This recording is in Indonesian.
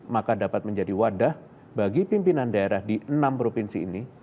maka dapat menjadi wadah bagi pimpinan daerah di enam provinsi ini